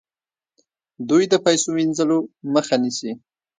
دوی د پیسو وینځلو مخه نیسي.